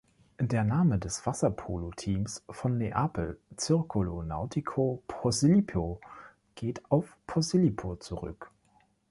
Der Name des Wasserpoloteams von Neapel, Circolo Nautico Posillipo, geht auf Posillipo zurück.